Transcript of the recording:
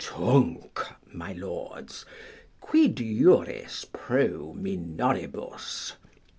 Tunc, my lords, quid juris pro minoribus?